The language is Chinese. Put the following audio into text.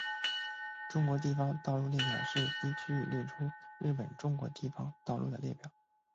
中国地方道路列表是依区域列出日本中国地方道路的列表。